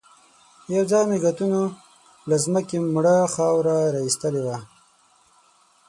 يوځای مېږتنو له ځمکې مړه خاوره را ايستلې وه.